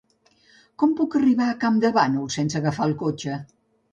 Com puc arribar a Campdevànol sense agafar el cotxe?